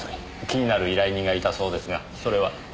気になる依頼人がいたそうですがそれは？